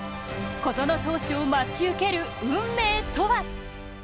小園投手を待ち受ける運命とは。